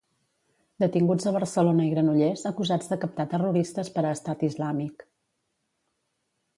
Detinguts a Barcelona i Granollers acusats de captar terroristes per a Estat Islàmic.